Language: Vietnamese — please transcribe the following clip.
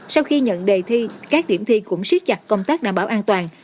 sau khi nhận đề thi các điểm thi cũng siết chặt công tác đảm bảo an toàn